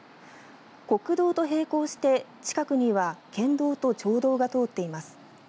国道と並行して、近くには県道と町道が通っています。